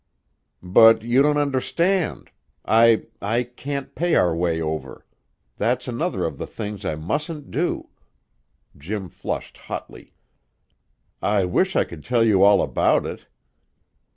"But you don't understand. I I can't pay our way over; that's another of the things I mustn't do." Jim flushed hotly. "I wish I could tell you all about it."